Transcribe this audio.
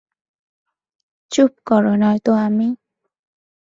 চুপ করা, নয়তো আমি!